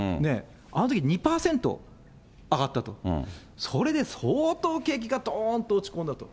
あのとき２％上がったと、それで相当景気がどーんと落ち込んだと。